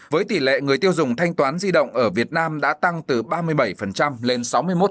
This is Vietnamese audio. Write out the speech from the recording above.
với tỷ lệ người tiêu dùng thanh toán di động ở việt nam đã tăng từ ba mươi bảy lên sáu mươi một